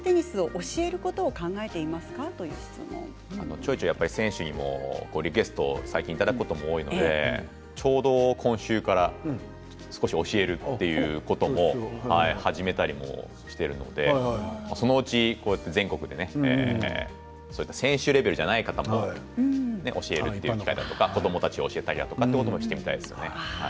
ちょいちょい選手にも最近リクエストいただくことが多いのでちょうど今週から少し教えるということも始めたりもしているのでそのうちにこうやって全国でね選手レベルではない方も教えていきたいなとか子どもたちを教えたりということもしていきたいですね。